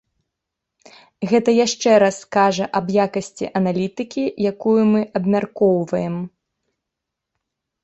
Гэта яшчэ раз кажа аб якасці аналітыкі, якую мы абмяркоўваем.